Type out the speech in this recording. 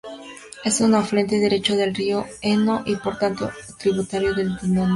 Es un afluente derecho del río Eno, y por tanto tributario del Danubio.